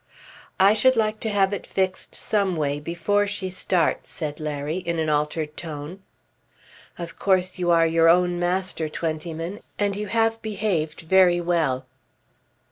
"I should like to have it fixed some way before she starts," said Larry in an altered tone. "Of course you are your own master, Twentyman. And you have behaved very well."